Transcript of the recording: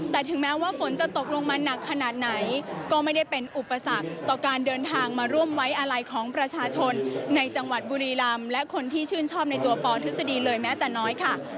แต่ถึงแม้ว่าฝนจะตกลงมาหนักขนาดไหนก็ไม่ได้เป็นอุปสรรคต่อการเดินทางมาร่วมไว้อาลัยของประชาชนในจังหวัดบุรีรำและคนที่ชื่นชอบในตัวปธฤษฎีเลยแม้แต่น้อยค่ะ